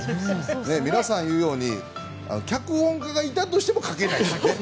皆さんが言うように脚本家がいたとしても書けないですね